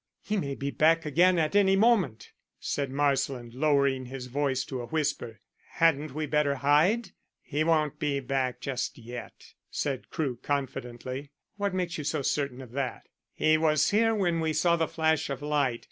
"He may be back again any moment," said Marsland, lowering his voice to a whisper. "Hadn't we better hide?" "He won't be back just yet," said Crewe confidently. "What makes you so certain of that?" "He was here when we saw the flash of light.